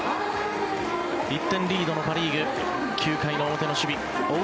１点リードのパ・リーグ９回表の守備追う